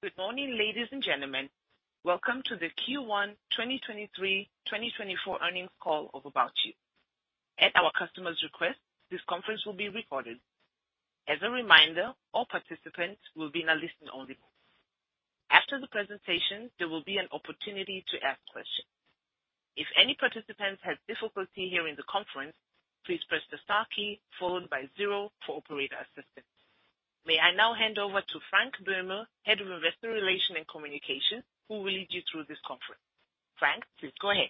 Good morning, ladies and gentlemen. Welcome to the Q1 2023/2024 earnings call of ABOUT YOU. At our customer's request, this conference will be recorded. As a reminder, all participants will be in a listen-only mode. After the presentation, there will be an opportunity to ask questions. If any participants have difficulty hearing the conference, please press the star key followed by zero for operator assistance. May I now hand over to Frank Böhme, Head of Investor Relations and Communication, who will lead you through this conference. Frank, please go ahead.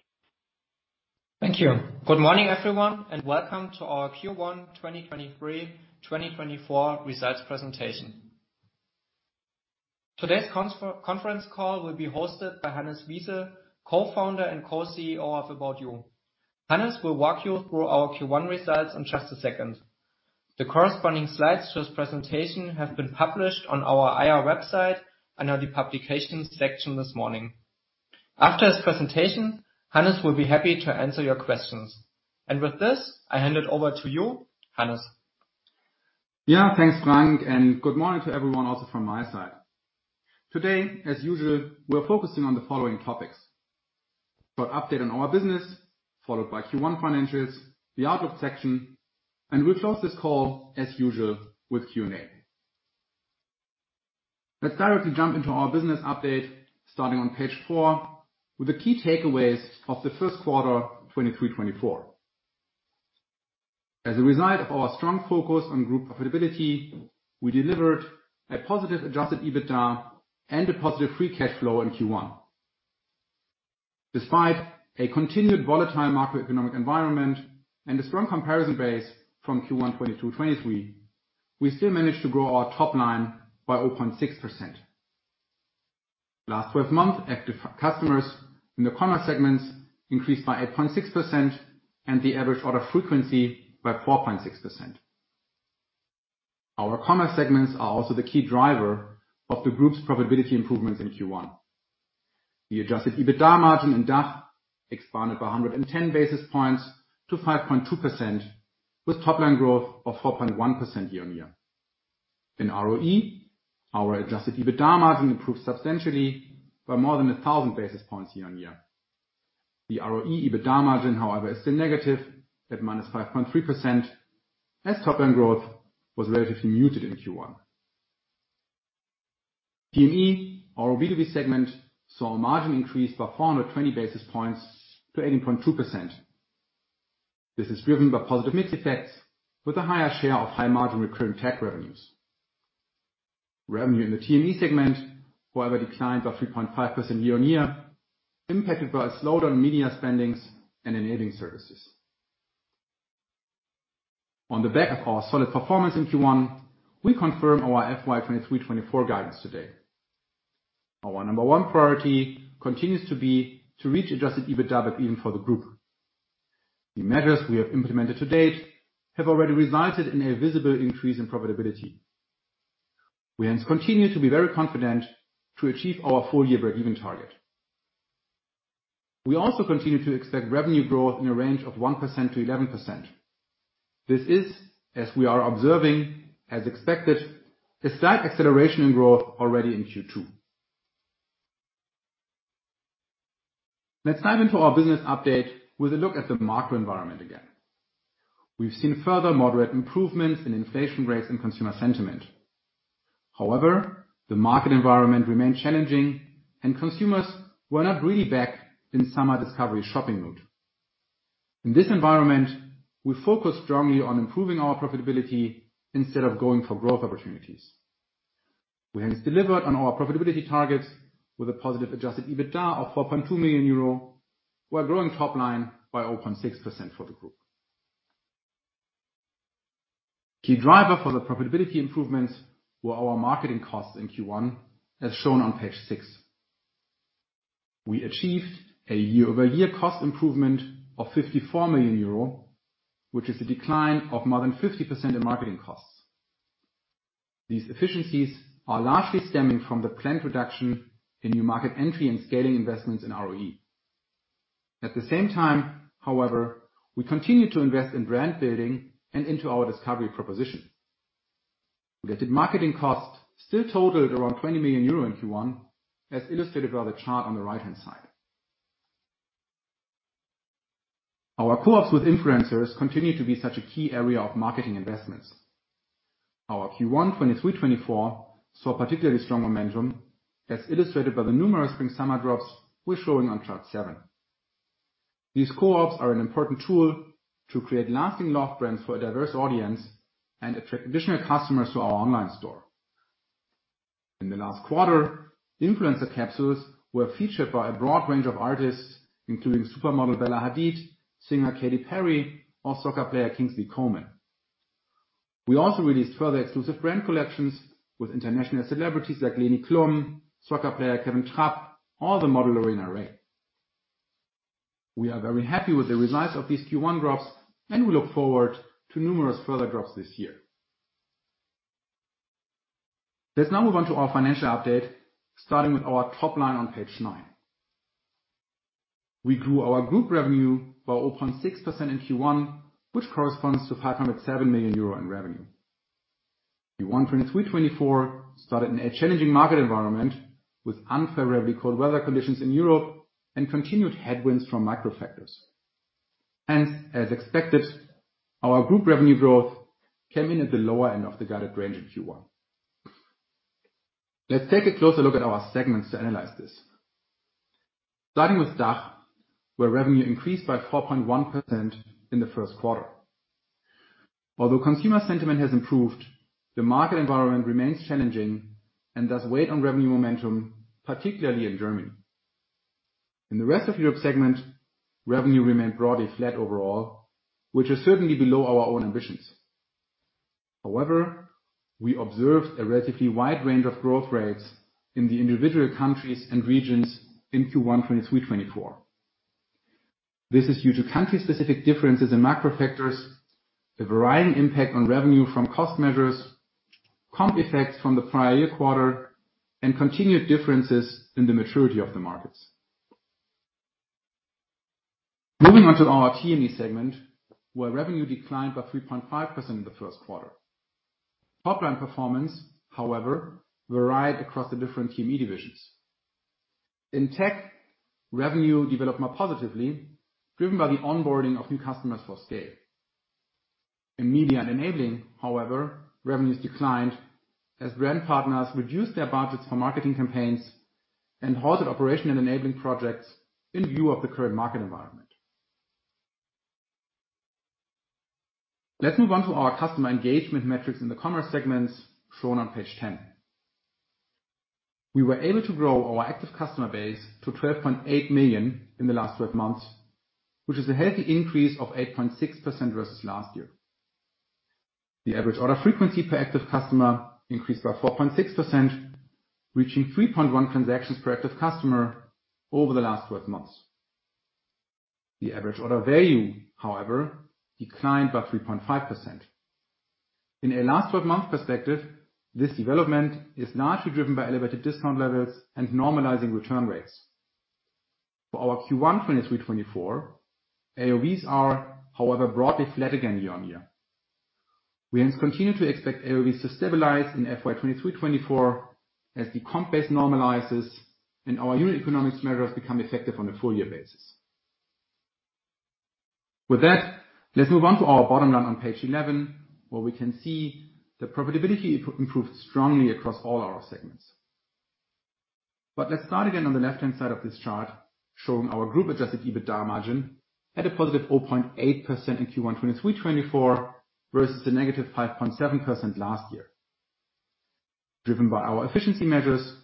Thank you. Good morning, everyone, welcome to our Q1 2023/2024 results presentation. Today's conference call will be hosted by Hannes Wiese, Co-Founder and Co-CEO of ABOUT YOU. Hannes will walk you through our Q1 results in just a second. The corresponding slides to his presentation have been published on our IR website under the Publications section this morning. After his presentation, Hannes will be happy to answer your questions. With this, I hand it over to you, Hannes. Thanks, Frank, and good morning to everyone, also from my side. Today, as usual, we're focusing on the following topics: for update on our business, followed by Q1 financials, the outlook section, and we'll close this call, as usual, with Q&A. Let's directly jump into our business update, starting on page 4, with the key takeaways of the first quarter 2023, 2024. As a result of our strong focus on group profitability, we delivered a positive adjusted EBITDA and a positive free cash flow in Q1. Despite a continued volatile macroeconomic environment and a strong comparison base from Q1 2022, 2023, we still managed to grow our top line by 0.6%. Last 12 months, active customers in the commerce segments increased by 8.6% and the average order frequency by 4.6%. Our commerce segments are also the key driver of the group's profitability improvements in Q1. The adjusted EBITDA margin in DACH expanded by 110 basis points to 5.2%, with top line growth of 4.1% year-on-year. In ROE, our adjusted EBITDA margin improved substantially by more than 1,000 basis points year-on-year. The ROE EBITDA margin, however, is still negative at -5.3%, as top line growth was relatively muted in Q1. TME, our B2B segment, saw a margin increase by 420 basis points to 18.2%. This is driven by positive mix effects with a higher share of high-margin recurring tech revenues. Revenue in the TME segment, however, declined by 3.5% year-on-year, impacted by a slowdown in media spendings and enabling services. On the back of our solid performance in Q1, we confirm our FY 2023, 2024 guidance today. Our number one priority continues to be to reach adjusted EBITDA back even for the group. The measures we have implemented to date have already resulted in a visible increase in profitability. We hence continue to be very confident to achieve our full-year breakeven target. We also continue to expect revenue growth in a range of 1%-11%. This is, as we are observing, as expected, a slight acceleration in growth already in Q2. Let's dive into our business update with a look at the macro environment again. We've seen further moderate improvements in inflation rates and consumer sentiment. However, the market environment remained challenging and consumers were not really back in summer discovery shopping mode. In this environment, we focused strongly on improving our profitability instead of going for growth opportunities. We have delivered on our profitability targets with a positive adjusted EBITDA of 4.2 million euro, while growing top line by 0.6% for the group. Key driver for the profitability improvements were our marketing costs in Q1, as shown on page six. We achieved a year-over-year cost improvement of 54 million euro, which is a decline of more than 50% in marketing costs. These efficiencies are largely stemming from the planned reduction in new market entry and scaling investments in RE. At the same time, however, we continue to invest in brand building and into our discovery proposition. The marketing costs still totaled around 20 million euro in Q1, as illustrated by the chart on the right-hand side. Our co-ops with influencers continue to be such a key area of marketing investments. Our Q1 2023/2024 saw particularly strong momentum, as illustrated by the numerous Spring/Summer drops we're showing on chart seven. These co-ops are an important tool to create lasting love brands for a diverse audience and attract additional customers to our online store. In the last quarter, influencer capsules were featured by a broad range of artists, including supermodel Bella Hadid, singer Katy Perry, or soccer player Kingsley Coman. We also released further exclusive brand collections with international celebrities like Leni Klum, soccer player Kevin Trapp, or the model Lorena Rae. We are very happy with the results of these Q1 drops, and we look forward to numerous further drops this year. Let's now move on to our financial update, starting with our top line on page nine. We grew our group revenue by 0.6% in Q1, which corresponds to 507 million euro in revenue. Q1 2023/2024 started in a challenging market environment, with unfavorably cold weather conditions in Europe and continued headwinds from micro factors. As expected, our group revenue growth came in at the lower end of the guided range in Q1. Let's take a closer look at our segments to analyze this. Starting with DACH, where revenue increased by 4.1% in the first quarter. Although consumer sentiment has improved, the market environment remains challenging and thus weight on revenue momentum, particularly in Germany. In the Rest of Europe segment, revenue remained broadly flat overall, which is certainly below our own ambitions. However, we observed a relatively wide range of growth rates in the individual countries and regions in Q1 2023/2024. This is due to country-specific differences in macro factors, a varying impact on revenue from cost measures, comp effects from the prior year quarter, and continued differences in the maturity of the markets. Moving on to our TME segment, where revenue declined by 3.5% in the first quarter. Top-line performance, however, varied across the different TME divisions. In tech, revenue developed more positively, driven by the onboarding of new customers for SCAYLE. In media and enabling, however, revenues declined as brand partners reduced their budgets for marketing campaigns and halted operation and enabling projects in view of the current market environment. Let's move on to our customer engagement metrics in the commerce segments, shown on page 10. We were able to grow our active customer base to 12.8 million in the last 12 months, which is a healthy increase of 8.6% versus last year. The average order frequency per active customer increased by 4.6%, reaching 3.1 transactions per active customer over the last 12 months. The average order value, however, declined by 3.5%. In a last 12-month perspective, this development is largely driven by elevated discount levels and normalizing return rates. For our Q1 2023, 2024, AOVs are, however, broadly flat again year-on-year. We hence continue to expect AOV to stabilize in FY 2023, 2024, as the comp base normalizes and our unit economics measures become effective on a full-year basis. With that, let's move on to our bottom line on page 11, where we can see the profitability improved strongly across all our segments. Let's start again on the left-hand side of this chart, showing our group-adjusted EBITDA margin at a positive 0.8% in Q1 23/24, versus a negative 5.7% last year. Driven by our efficiency measures,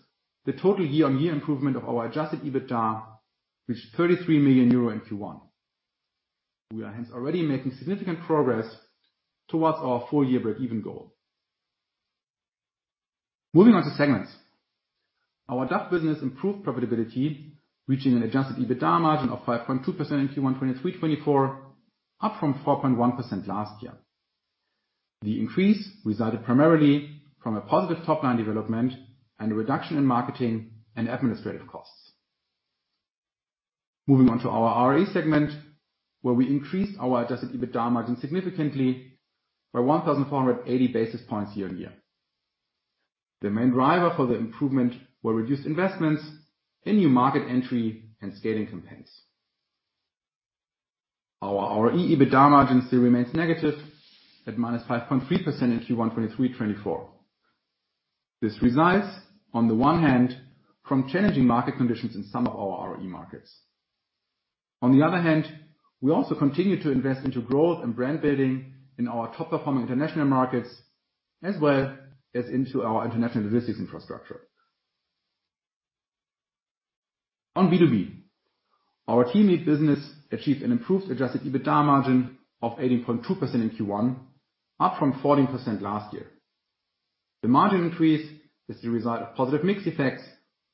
the total year-on-year improvement of our adjusted EBITDA, which is 33 million euro in Q1. We are hence already making significant progress towards our full-year breakeven goal. Moving on to segments. Our DACH business improved profitability, reaching an adjusted EBITDA margin of 5.2% in Q1 23/24, up from 4.1% last year. The increase resulted primarily from a positive top-line development and a reduction in marketing and administrative costs. Moving on to our ROE segment, where we increased our adjusted EBITDA margin significantly by 1,480 basis points year-on-year. The main driver for the improvement were reduced investments in new market entry and scaling campaigns. Our ROE EBITDA margin still remains negative at -5.3% in Q1 2023/2024. This resides, on the one hand, from challenging market conditions in some of our ROE markets. On the other hand, we also continue to invest into growth and brand building in our top-performing international markets, as well as into our international logistics infrastructure. On B2B, our TME business achieved an improved adjusted EBITDA margin of 18.2% in Q1, up from 14% last year. The margin increase is the result of positive mix effects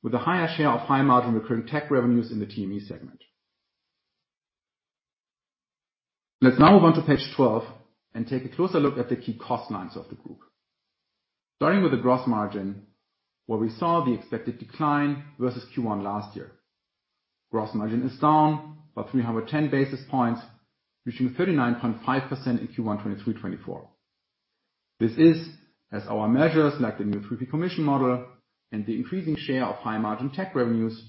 with a higher share of high-margin recurring tech revenues in the TME segment. Let's now move on to page 12 and take a closer look at the key cost lines of the group. Starting with the gross margin, where we saw the expected decline versus Q1 last year. Gross margin is down by 310 basis points, reaching 39.5% in Q1 2023/2024. This is as our measures, like the new three-tier commission model and the increasing share of high-margin tech revenues,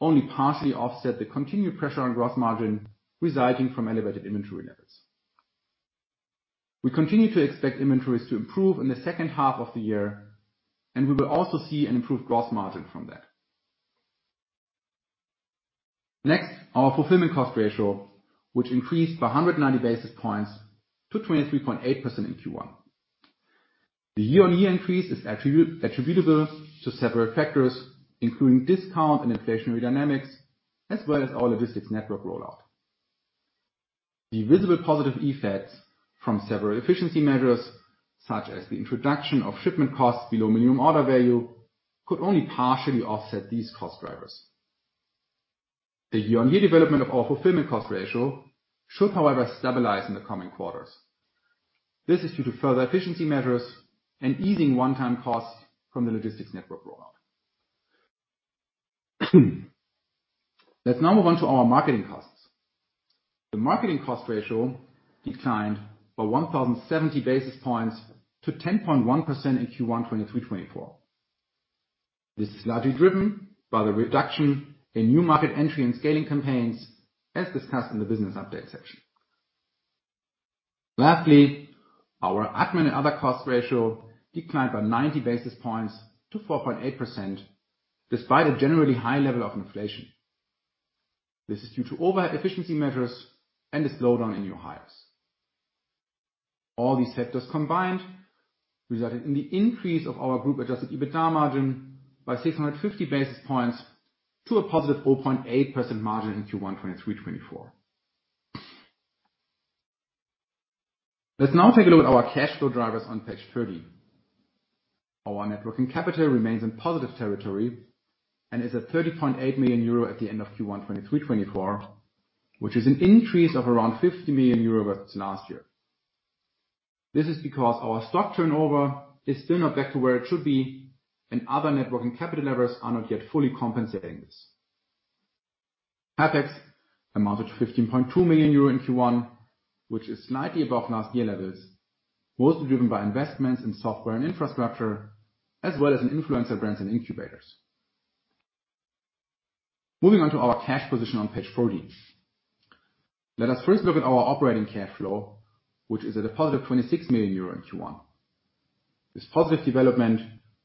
only partially offset the continued pressure on gross margin resulting from elevated inventory levels. We continue to expect inventories to improve in the second half of the year, and we will also see an improved gross margin from that. Next, our fulfillment cost ratio, which increased by 190 basis points to 23.8% in Q1. The year-on-year increase is attributable to several factors, including discount and inflationary dynamics, as well as our logistics network rollout. The visible positive effects from several efficiency measures, such as the introduction of shipment costs below minimum order value, could only partially offset these cost drivers. The year-on-year development of our fulfillment cost ratio should, however, stabilize in the coming quarters. This is due to further efficiency measures and easing one-time costs from the logistics network rollout. Let's now move on to our marketing costs. The marketing cost ratio declined by 1,070 basis points to 10.1% in Q1 2023, 2024. This is largely driven by the reduction in new market entry and scaling campaigns, as discussed in the business update section. Lastly, our admin and other cost ratio declined by 90 basis points to 4.8%, despite a generally high level of inflation. This is due to overhead efficiency measures and a slowdown in new hires. All these factors combined resulted in the increase of our group-adjusted EBITDA margin by 650 basis points to a positive 4.8% margin in Q1 2023/2024. Let's now take a look at our cash flow drivers on page 30. Our net working capital remains in positive territory and is at 30.8 million euro at the end of Q1 2023/2024, which is an increase of around 50 million euro versus last year. This is because our stock turnover is still not back to where it should be, and other net working capital levers are not yet fully compensating this. CapEx amounted to 15.2 million euro in Q1, which is slightly above last year levels, mostly driven by investments in software and infrastructure, as well as in influencer brands and incubators. Moving on to our cash position on page 14. Let us first look at our operating cash flow, which is at a positive 26 million euro in Q1. This positive development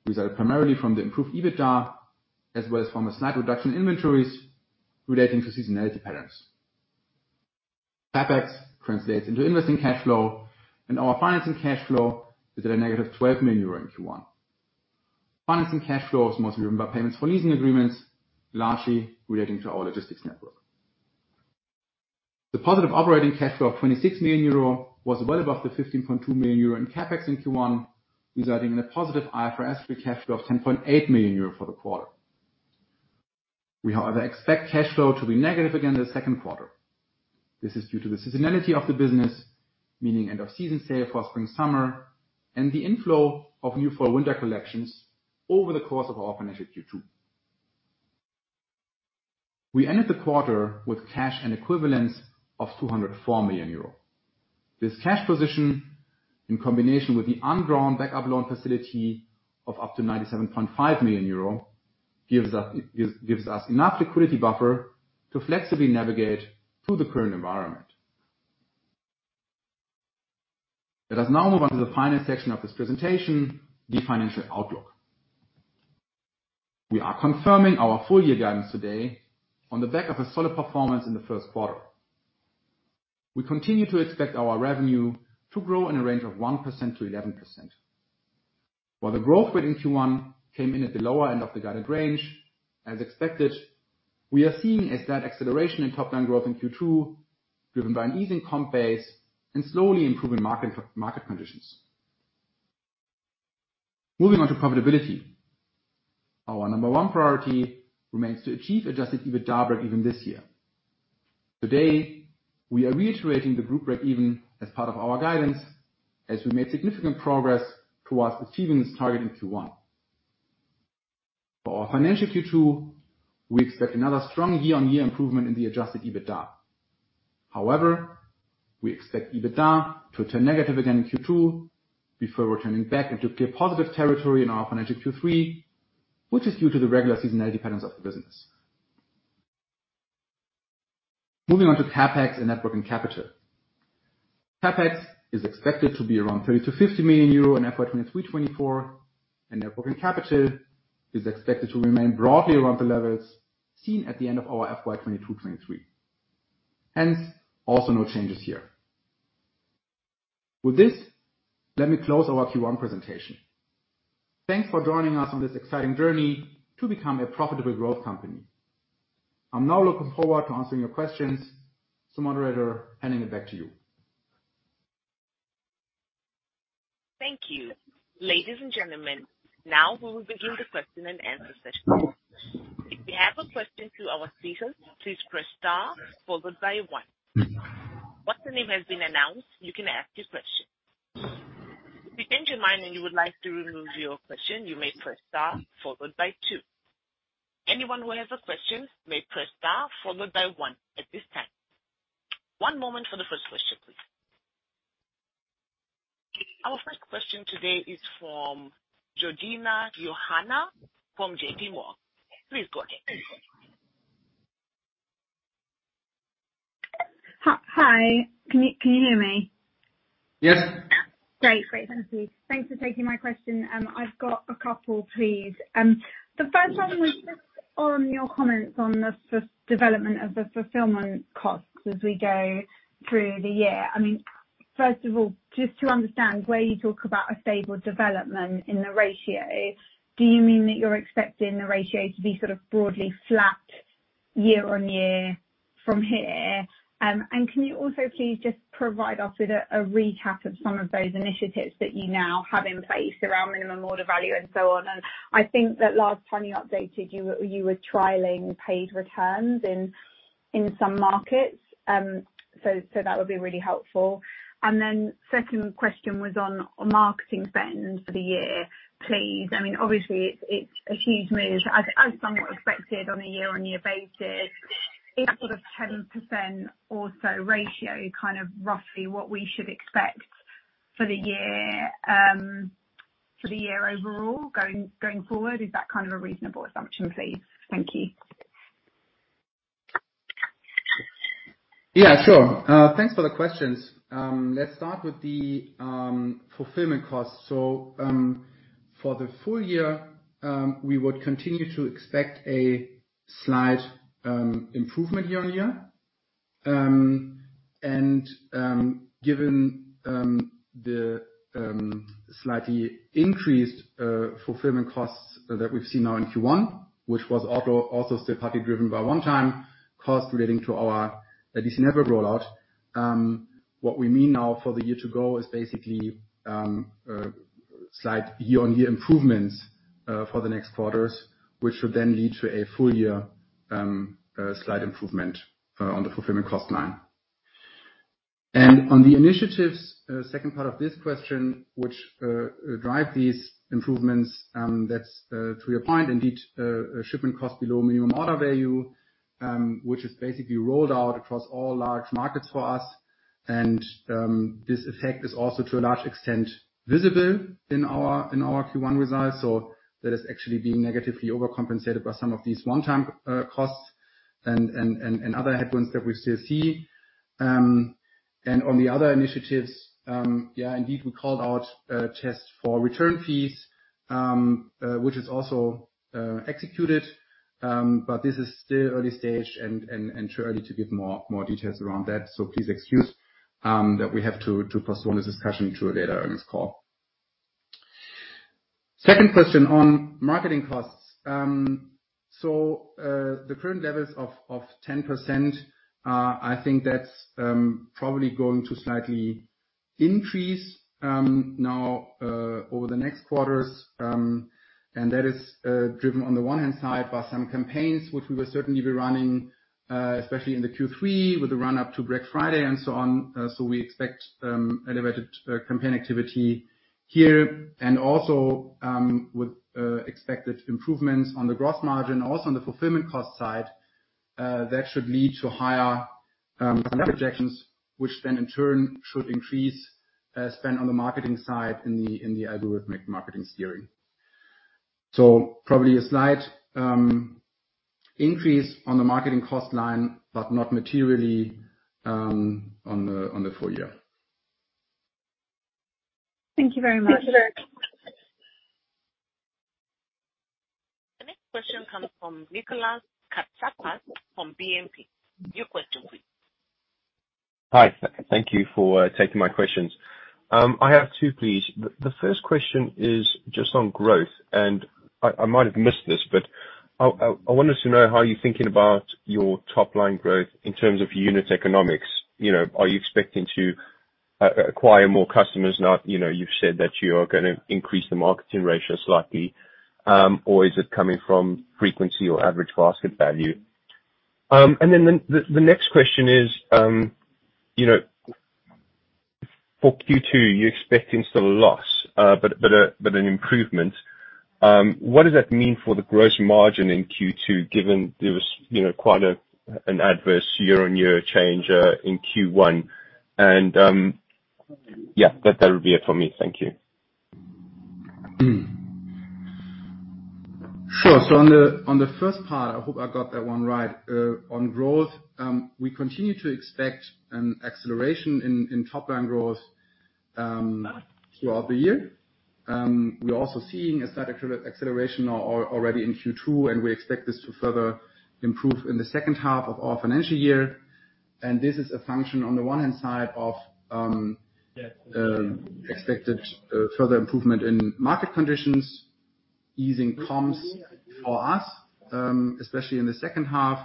resulted primarily from the improved EBITDA, as well as from a slight reduction in inventories relating to seasonality patterns. CapEx translates into investing cash flow, and our financing cash flow is at a negative 12 million euro in Q1. Financing cash flow is mostly driven by payments for leasing agreements, largely relating to our logistics network. The positive operating cash flow of 26 million euro was well above the 15.2 million euro in CapEx in Q1, resulting in a positive IFRS 3 cash flow of 10.8 million euro for the quarter. We, however, expect cash flow to be negative again in the second quarter. This is due to the seasonality of the business, meaning end of season sale for Spring/Summer, and the inflow of new fall/winter collections over the course of our financial Q2. We ended the quarter with cash and equivalents of 204 million euro. This cash position, in combination with the undrawn backup loan facility of up to 97.5 million euro, gives us enough liquidity buffer to flexibly navigate through the current environment. Let us now move on to the final section of this presentation, the financial outlook. We are confirming our full-year guidance today on the back of a solid performance in the first quarter. We continue to expect our revenue to grow in a range of 1%-11%. While the growth rate in Q1 came in at the lower end of the guided range, as expected, we are seeing a slight acceleration in top-line growth in Q2, driven by an easing comp base and slowly improving market conditions. Moving on to profitability. Our number 1 priority remains to achieve adjusted EBITDA breakeven this year. Today, we are reiterating the group breakeven as part of our guidance, as we made significant progress towards achieving this target in Q1. For our financial Q2, we expect another strong year-on-year improvement in the adjusted EBITDA. However, we expect EBITDA to turn negative again in Q2 before returning back into positive territory in our financial Q3, which is due to the regular seasonality patterns of the business. Moving on to CapEx and net working capital. CapEx is expected to be around 30 million-50 million euro in FY 2023, 2024, and net working capital is expected to remain broadly around the levels seen at the end of our FY 2022, 2023. Hence, also no changes here. With this, let me close our Q1 presentation. Thanks for joining us on this exciting journey to become a profitable growth company. I'm now looking forward to answering your questions. Moderator, handing it back to you. Thank you. Ladies and gentlemen, now we will begin the question-and-answer session. If you have a question to our speakers, please press star followed by one. Once your name has been announced, you can ask your question. If you change your mind and you would like to remove your question, you may press star followed by two. Anyone who has a question may press star followed by one at this time. One moment for the first question, please. Our first question today is from Georgina Johanan from JPMorgan. Please go ahead. Hi. Can you hear me? Yes. Great. Great. Thank you. Thanks for taking my question. I've got a couple, please. The first one was just on your comments on the development of the fulfillment costs as we go through the year. I mean, first of all, just to understand, where you talk about a stable development in the ratio, do you mean that you're expecting the ratio to be sort of broadly flat year-on-year from here? Can you also please just provide us with a recap of some of those initiatives that you now have in place around minimum order value and so on? I think that last time you updated, you were trialing paid returns in some markets, so that would be really helpful. Second question was on marketing spend for the year, please. I mean, obviously, it's a huge move. As somewhat expected on a year-on-year basis, is sort of 10% or so ratio, kind of, roughly what we should expect for the year for the year overall, going forward? Is that kind of a reasonable assumption, please? Thank you. Yeah, sure. Thanks for the questions. Let's start with the fulfillment costs. For the full-year, we would continue to expect a slight improvement year-on-year. Given the slightly increased fulfillment costs that we've seen now in Q1, which was also partly driven by one-time costs relating to our DC network rollout. What we mean now for the year to go is basically a slight year-on-year improvements for the next quarters, which should then lead to a full-year slight improvement on the fulfillment cost line. On the initiatives, second part of this question, which drive these improvements, that's to your point, indeed, shipment costs below minimum order value, which is basically rolled out across all large markets for us. This effect is also, to a large extent, visible in our Q1 results. That is actually being negatively overcompensated by some of these one-time costs and other headwinds that we still see. On the other initiatives, indeed, we called out test for return fees, which is also executed. But this is still early stage and too early to give more details around that. Please excuse that we have to postpone this discussion to a later in this call. Second question on marketing costs. The current levels of 10%, I think that's probably going to slightly increase now over the next quarters. That is driven on the one hand side by some campaigns, which we will certainly be running especially in the Q3, with the run-up to Black Friday and so on. We expect elevated campaign activity here and also with expected improvements on the gross margin, also on the fulfillment cost side, that should lead to higher projections. Which then, in turn, should increase spend on the marketing side in the, in the algorithmic marketing steering. Probably a slight increase on the marketing cost line, but not materially on the full-year. Thank you very much. The next question comes from Nicolas Katsaras from BNP. Your question, please. Hi, thank you for taking my questions. I have two, please. The first question is just on growth, and I might have missed this, but I wanted to know how you're thinking about your top line growth in terms of unit economics. You know, are you expecting to acquire more customers now? You know, you've said that you are gonna increase the marketing ratio slightly, or is it coming from frequency or average basket value? Then the next question is, you know, for Q2, you're expecting still a loss, but an improvement. What does that mean for the gross margin in Q2, given there was, you know, quite an adverse year-on-year change in Q1? Yeah, that would be it for me. Thank you. On the, on the first part, I hope I got that one right. On growth, we continue to expect an acceleration in top line growth, throughout the year. We're also seeing a static acceleration already in Q2, and we expect this to further improve in the second half of our financial year. This is a function, on the one hand side of, expected further improvement in market conditions, easing comms for us, especially in the second half.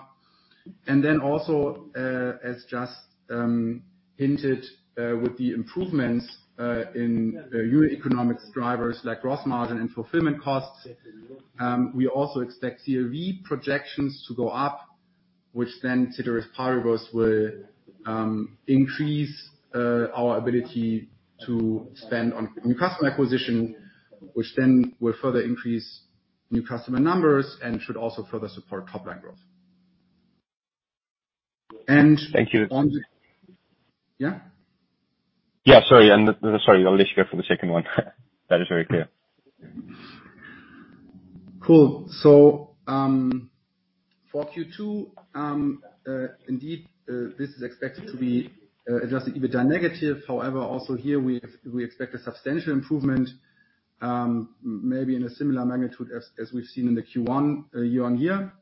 Then also, as just hinted, with the improvements in unit economics drivers, like gross margin and fulfillment costs, we also expect CRV projections to go up. Which then, ceteris paribus, will increase our ability to spend on new customer acquisition, which then will further increase new customer numbers and should also further support top line growth. Thank you. Yeah? Yeah, sorry, I'll let you go for the second one. That is very clear. Cool. For Q2, indeed, this is expected to be adjusted EBITDA negative. However, also here we expect a substantial improvement, maybe in a similar magnitude as we've seen in the Q1 year-on-year.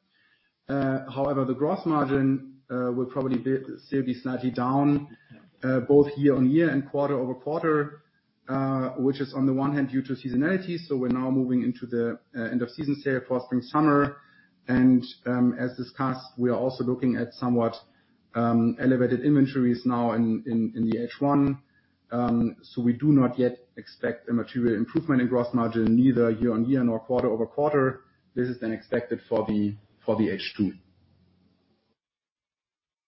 However, the gross margin will probably still be slightly down both year-on-year and quarter-over-quarter, which is on the one hand due to seasonality. We're now moving into the end of season sale for Spring/Summer. As discussed, we are also looking at somewhat elevated inventories now in the H1. We do not yet expect a material improvement in gross margin, neither year-on-year nor quarter-over-quarter. This is expected for the H2.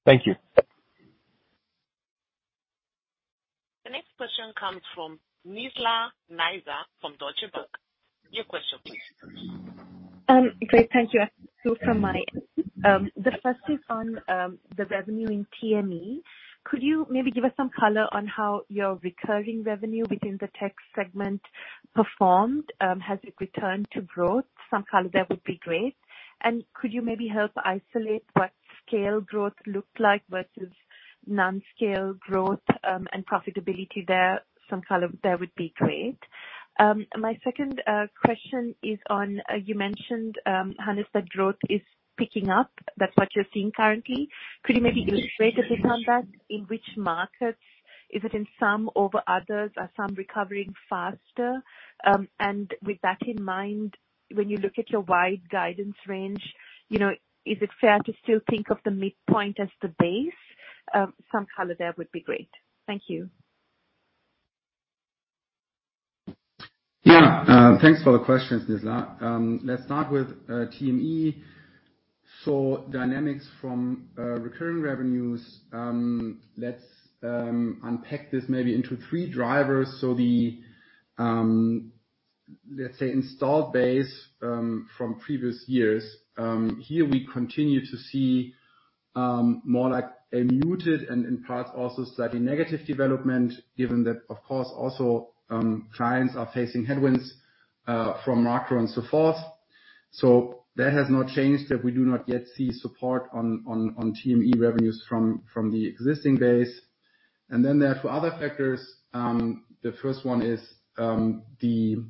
Thank you. The next question comes from Nizla Naizer from Deutsche Bank. Your question, please. Great. Thank you. From my end, the first is on the revenue in TME. Could you maybe give us some color on how your recurring revenue within the tech segment performed? Has it returned to growth? Some color there would be great. Could you maybe help isolate what SCAYLE growth looked like versus non-SCAYLE growth and profitability there? Some color there would be great. My second question is on, you mentioned, Hannes, that growth is picking up. That's what you're seeing currently. Could you maybe illustrate a bit on that? In which markets? Is it in some over others? Are some recovering faster? With that in mind, when you look at your wide guidance range, you know, is it fair to still think of the midpoint as the base? Some color there would be great. Thank you. Yeah. Thanks for the questions, Nizla. Let's start with TME. Dynamics from recurring revenues, let's unpack this maybe into three drivers. The, let's say, installed base from previous years, here we continue to see more like a muted and in parts, also slightly negative development, given that of course, also, clients are facing headwinds from macro and so forth. That has not changed, that we do not yet see support on TME revenues from the existing base. Then there are four other factors. The first one is the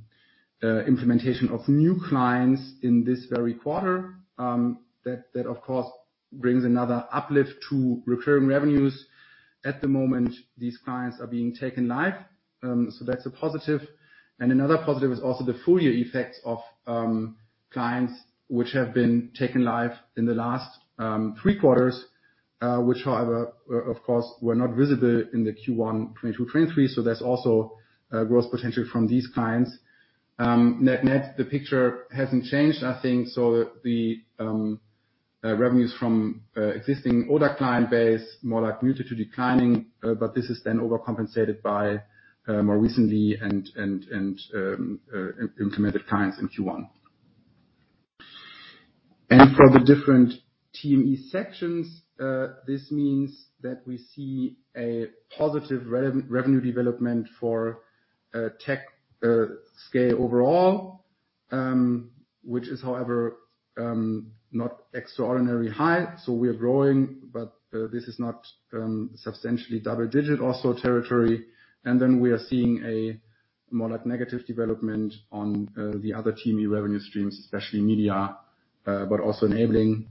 implementation of new clients in this very quarter. That, of course, brings another uplift to recurring revenues. At the moment, these clients are being taken live, that's a positive. Another positive is also the full-year effects of clients which have been taken live in the last three quarters, which, however, of course, were not visible in the Q1 2022, 2023. There's also a growth potential from these clients. Net-net, the picture hasn't changed, I think. The revenues from existing older client base, more like muted to declining, but this is then overcompensated by more recently and implemented clients in Q1. For the different TME sections, this means that we see a positive revenue development for tech, SCAYLE overall, which is, however, not extraordinarily high. We are growing, but this is not substantially double-digit also territory. We are seeing a more like negative development on the other TME revenue streams, especially media, but also enabling,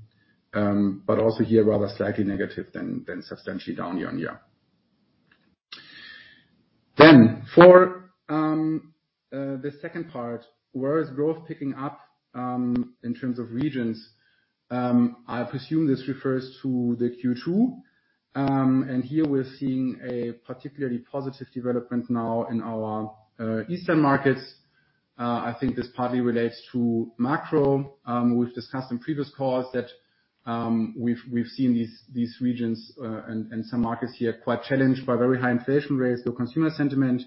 but also here, rather slightly negative than substantially down year-on-year. For the second part, where is growth picking up in terms of regions? I presume this refers to the Q2. Here we're seeing a particularly positive development now in our eastern markets. I think this partly relates to macro. We've discussed in previous calls that we've seen these regions and some markets here are quite challenged by very high inflation rates, so consumer sentiment.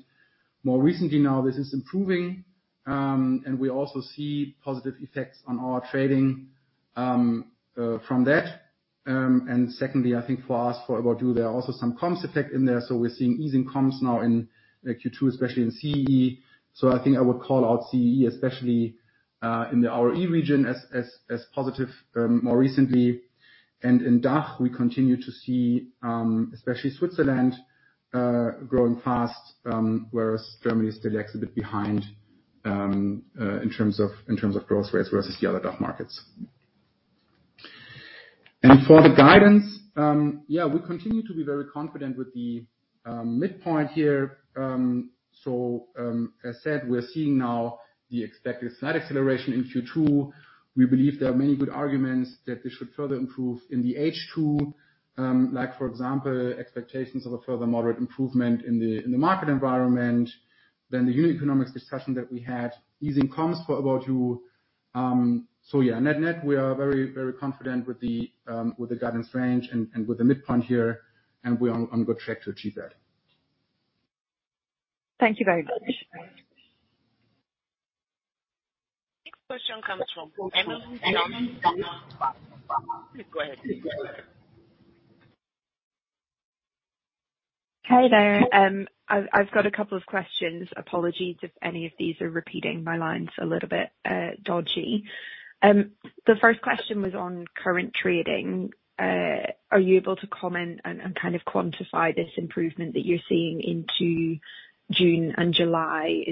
More recently, now, this is improving, and we also see positive effects on our trading from that. Secondly, I think for us, for ABOUT YOU, there are also some comms effect in there. We're seeing easing comms now in Q2, especially in CEE. I think I would call out CEE, especially in the RE region as positive, more recently. In DACH, we continue to see, especially Switzerland, growing fast, whereas Germany is still a bit behind, in terms of growth rates versus the other DACH markets. For the guidance, yeah, we continue to be very confident with the midpoint here. As said, we're seeing now the expected slight acceleration in Q2. We believe there are many good arguments that we should further improve in the H2, like for example, expectations of a further moderate improvement in the market environment, the new economics discussion that we had, easing comms for ABOUT YOU. Yeah, net-net, we are very, very confident with the guidance range and with the midpoint here, and we are on good track to achieve that. Thank you very much. Next question comes from Emily Nolan. Please go ahead. Hey there. I've got a couple of questions. Apologies if any of these are repeating, my line's a little bit dodgy. The first question was on current trading. Are you able to comment and kind of quantify this improvement that you're seeing into June and July?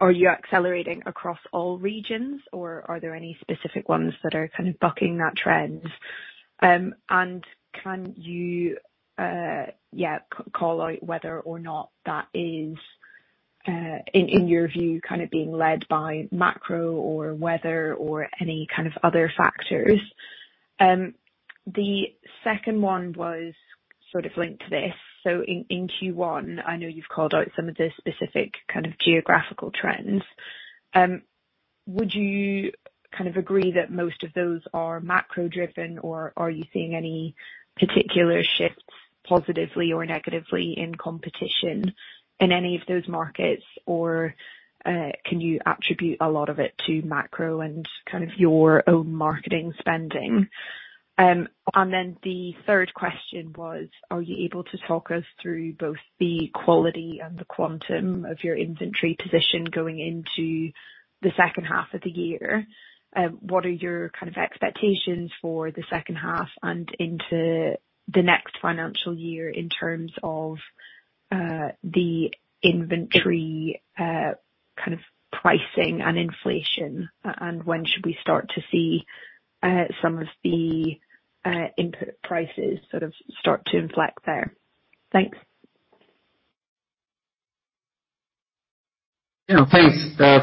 Are you accelerating across all regions, or are there any specific ones that are kind of bucking that trend? And can you yeah, call out whether or not that is in your view, kind of being led by macro or weather or any kind of other factors? The second one was sort of linked to this. In Q1, I know you've called out some of the specific kind of geographical trends. Would you kind of agree that most of those are macro-driven, or are you seeing any particular shifts, positively or negatively, in competition in any of those markets? Can you attribute a lot of it to macro and kind of your own marketing spending? The third question was, are you able to talk us through both the quality and the quantum of your inventory position going into the second half of the year? What are your kind of expectations for the second half and into the next financial year in terms of the inventory, kind of pricing and inflation? When should we start to see some of the input prices sort of start to inflect there? Thanks. Yeah, thanks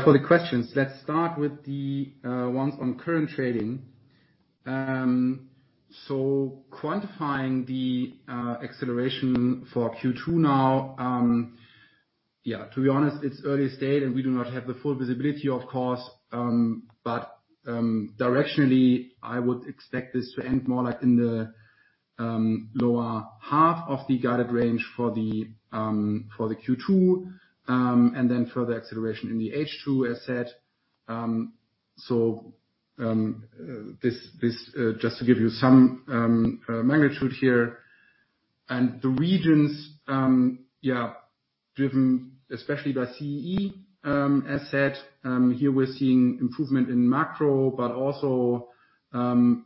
for the questions. Let's start with the ones on current trading. So quantifying the acceleration for Q2 now, yeah, to be honest, it's early stage, and we do not have the full visibility, of course. But directionally, I would expect this to end more like in the lower half of the guided range for the Q2, and then further acceleration in the H2, as said. So this just to give you some magnitude here. The regions, yeah, driven especially by CEE, as said, here we're seeing improvement in macro, but also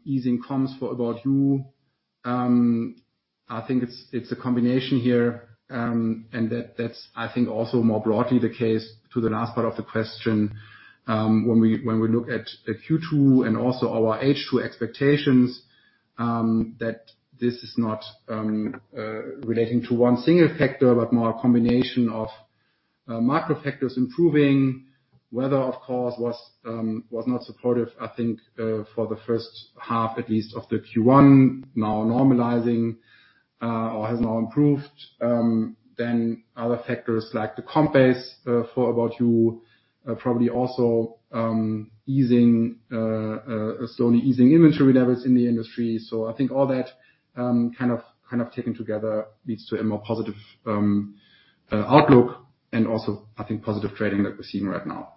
easing comps for ABOUT YOU. I think it's a combination here, and that's, I think, also more broadly the case to the last part of the question. When we look at Q2 and also our H2 expectations, that this is not relating to one single factor, but more a combination of macro factors improving. Weather, of course, was not supportive, I think, for the first half, at least of the Q1, now normalizing or has now improved. Then other factors like the comp base for ABOUT YOU probably also easing, slowly easing inventory levels in the industry. I think all that, kind of taken together, leads to a more positive outlook, and also, I think, positive trading that we're seeing right now.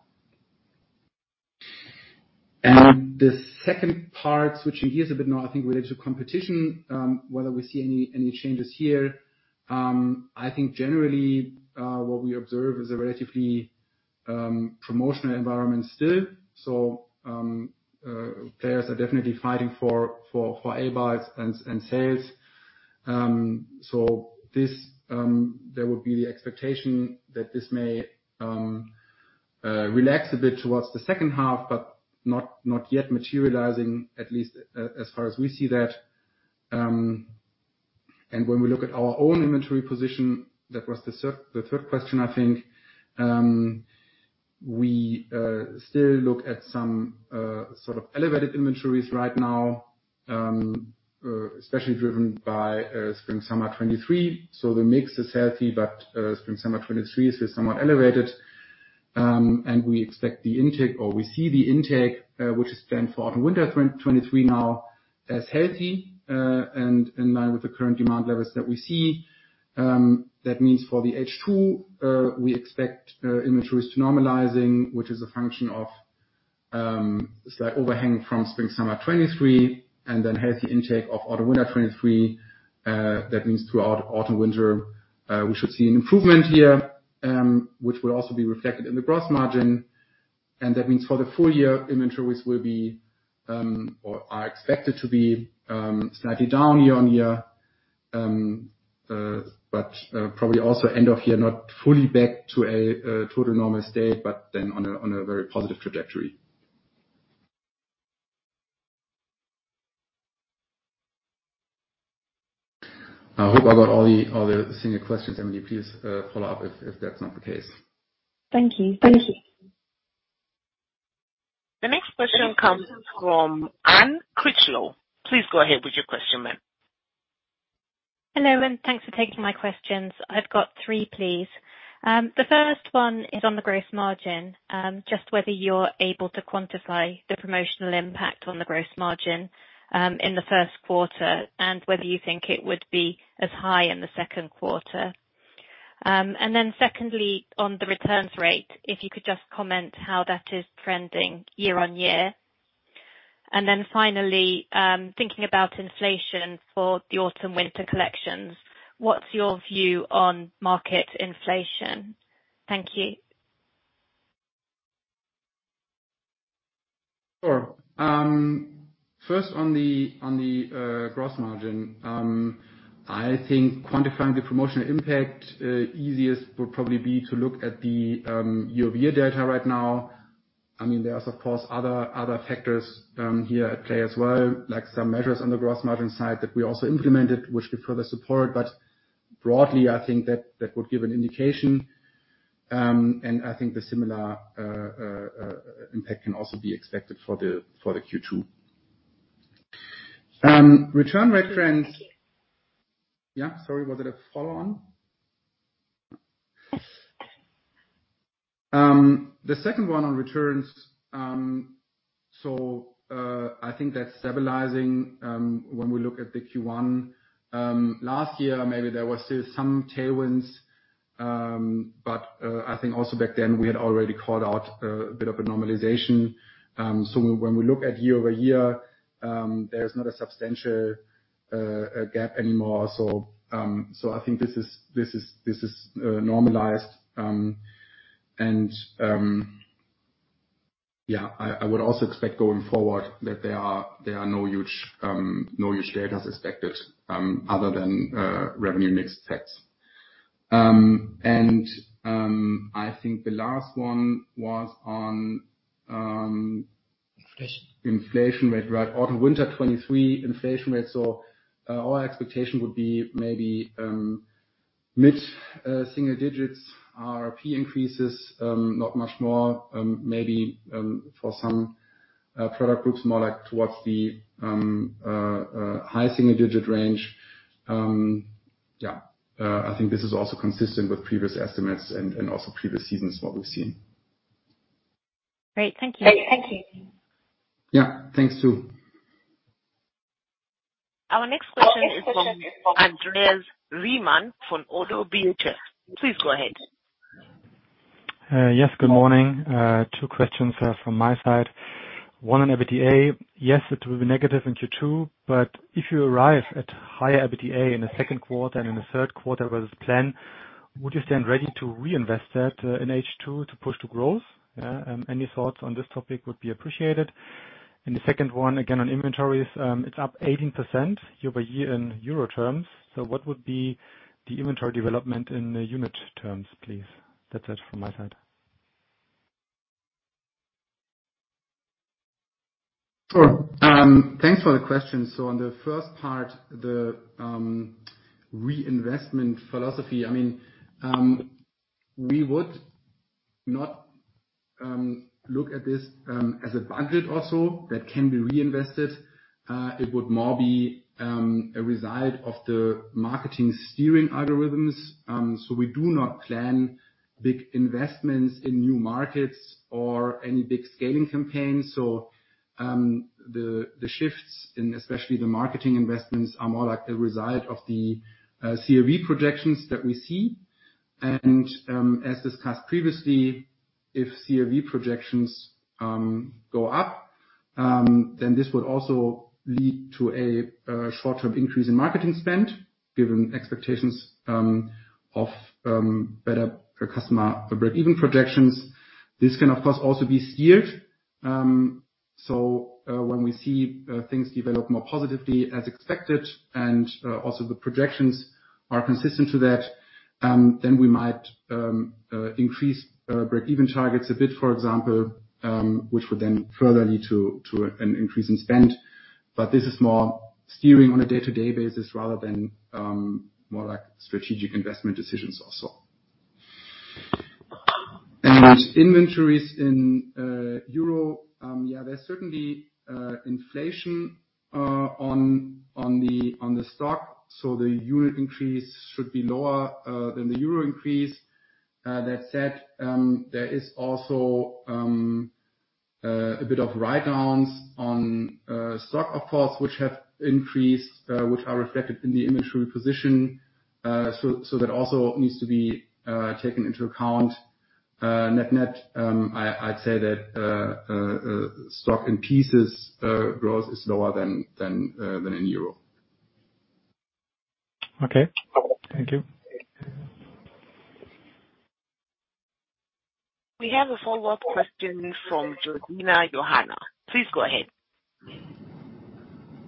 The second part, switching gears a bit now, I think, related to competition, whether we see any changes here. I think generally, what we observe is a relatively promotional environment still. Payers are definitely fighting for A buys and sales. This, there would be the expectation that this may relax a bit towards the second half, but not yet materializing, at least as far as we see that. When we look at our own inventory position, that was the third question, I think, we still look at some sort of elevated inventories right now, especially driven by Spring/Summer 2023. The mix is healthy, but Spring/Summer 2023 is somewhat elevated. We expect the intake, or we see the intake, which is planned for Autumn/Winter 2023 now, as healthy, and in line with the current demand levels that we see. That means for the H2, we expect inventories to normalizing, which is a function of slight overhang from Spring/Summer 2023, and then healthy intake of Autumn/Winter 2023. That means throughout Autumn/Winter, we should see an improvement here, which will also be reflected in the gross margin. That means for the full-year, inventories will be or are expected to be slightly down year-on-year. Probably also end of year, not fully back to a to the normal state, but then on a very positive trajectory. I hope I got all the senior questions, Emily. Please follow up if that's not the case. Thank you. Thank you. The next question comes from Anne Critchlow. Please go ahead with your question, ma'am. Hello, and thanks for taking my questions. I've got three, please. The first one is on the gross margin, just whether you're able to quantify the promotional impact on the gross margin, in the first quarter, and whether you think it would be as high in the second quarter. Secondly, on the returns rate, if you could just comment how that is trending year-over-year. Finally, thinking about inflation for the Autumn/Winter collections, what's your view on market inflation? Thank you. Sure. First on the gross margin. I think quantifying the promotional impact, easiest would probably be to look at the year-over-year data right now, I mean, there are, of course, other factors here at play as well, like some measures on the gross margin side that we also implemented, which give further support. Broadly, I think that would give an indication. I think the similar impact can also be expected for the Q2. Return reference. Yeah, sorry, was it a follow-on? Yes. The second one on returns. I think that's stabilizing. When we look at the Q1 last year, maybe there was still some tailwinds, but I think also back then, we had already called out a bit of a normalization. When we look at year-over-year, there's not a substantial gap anymore. I think this is normalized. And yeah, I would also expect going forward that there are no huge data is expected other than revenue mix effects. And I think the last one was on inflation rate, right. Autumn/Winter 2023 inflation rate. Our expectation would be maybe mid-single digits, RRP increases, not much more, maybe for some product groups, more like towards the high-single digit range. I think this is also consistent with previous estimates and also previous seasons, what we've seen. Great. Thank you. Yeah. Thanks, too. Our next question is from Andreas Riemann from ODDO BHF. Please go ahead. Yes, good morning. Two questions from my side. One on EBITDA. Yes, it will be negative in Q2, but if you arrive at higher EBITDA in the second quarter and in the third quarter versus plan, would you stand ready to reinvest that in H2 to push to growth? Any thoughts on this topic would be appreciated. The second one, again, on inventories, it's up 18% year-over-year in euro terms. What would be the inventory development in unit terms, please? That's it from my side. Sure. Thanks for the question. On the first part, the reinvestment philosophy, I mean, we would not look at this as a budget also that can be reinvested. It would more be a result of the marketing steering algorithms. We do not plan big investments in new markets or any big scaling campaigns. The shifts in, especially the marketing investments, are more like a result of the CRV projections that we see. As discussed previously, if CRV projections go up, then this would also lead to a short-term increase in marketing spend, given expectations of better customer breakeven projections. This can, of course, also be steered. When we see things develop more positively as expected, and also the projections are consistent to that, then we might increase breakeven targets a bit, for example, which would then further lead to an increase in spend. This is more steering on a day-to-day basis rather than more like strategic investment decisions also. Inventories in euro, yeah, there's certainly inflation on the, on the stock, so the unit increase should be lower than the euro increase. That said, there is also a bit of write-downs on stock, of course, which have increased, which are reflected in the inventory position. That also needs to be taken into account net, I'd say that stock and pieces growth is lower than in euro. Okay, thank you. We have a follow-up question from Georgina Johanan. Please go ahead.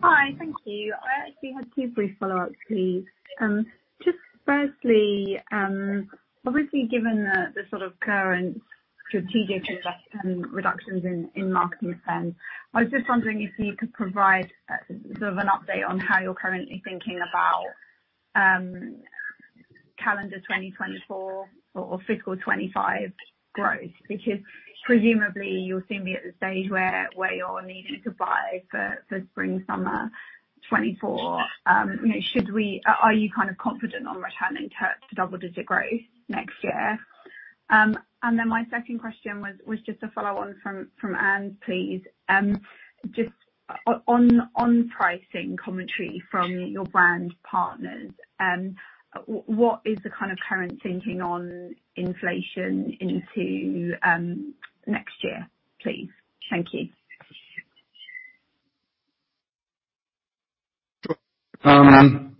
Hi, thank you. I actually have two brief follow-ups, please. Just firstly, obviously, given the sort of current strategic invest- reductions in marketing spend, I was just wondering if you could provide, sort of an update on how you're currently thinking about calendar 2024 or fiscal year 2025 growth, because presumably, you'll soon be at the stage where you're needing to buy for Spring/Summer 2024. You know, should we... Are you kind of confident on returning to double-digit growth next year? My second question was just a follow-on from Anne, please. Just on pricing commentary from your brand partners, what is the kind of current thinking on inflation into next year, please? Thank you. Sure.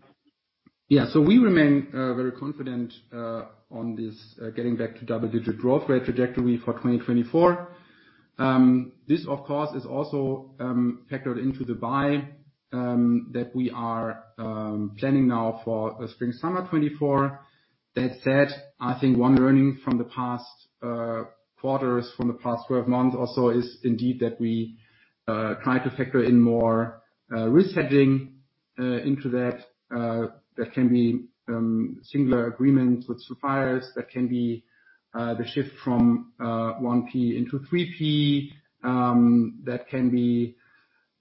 yeah, we remain very confident on this getting back to double-digit growth rate trajectory for 2024. This, of course, is also factored into that we are planning now for the spring, summer 2024. That said, I think one learning from the past quarters, from the past 12 months also, is indeed that we try to factor in more risk hedging into that. That can be singular agreements with suppliers. That can be the shift from 1P into 3P. That can be,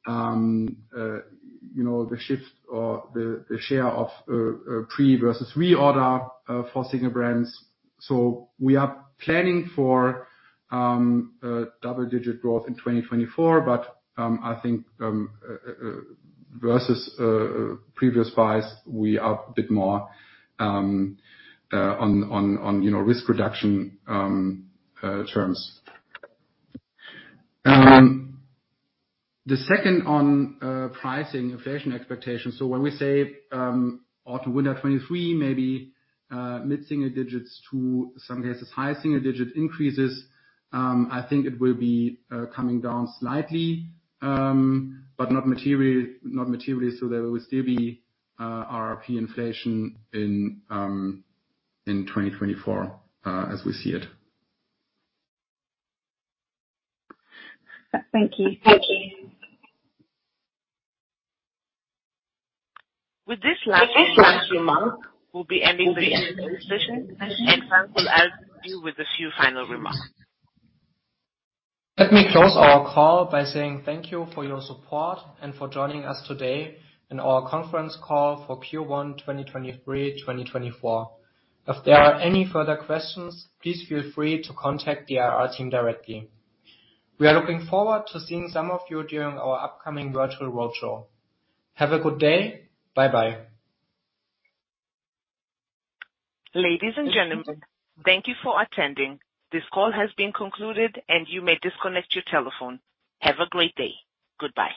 you know, the shift or the share of pre versus reorder for singer brands. We are planning for a double-digit growth in 2024, I think, versus previous buys, we are a bit more on, you know, risk reduction terms. The second on pricing inflation expectations. When we say, auto winter 2023, maybe mid single digits to some cases, high single digit increases, I think it will be coming down slightly, but not materially. There will still be RRP inflation in 2024, as we see it. Thank you. With this last remark, we'll be ending the end of the session, and Frank will help you with a few final remarks. Let me close our call by saying thank you for your support and for joining us today in our conference call for Q1, 2023/2024. If there are any further questions, please feel free to contact the IR team directly. We are looking forward to seeing some of you during our upcoming virtual roadshow. Have a good day. Bye-bye. Ladies and gentlemen, thank you for attending. This call has been concluded, and you may disconnect your telephone. Have a great day. Goodbye.